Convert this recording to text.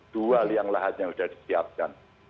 dua liang lahat yang sudah disiapkan